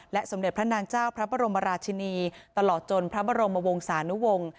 สมเด็จพระนางเจ้าพระบรมราชินีตลอดจนพระบรมวงศานุวงศ์